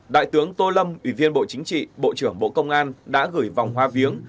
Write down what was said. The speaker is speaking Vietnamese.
đại tướng tô lâm ủy viên bộ chính trị bộ trưởng bộ công an đã gửi vòng hoa viếng